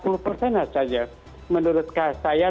menurut saya tidak seperti amerika tenggara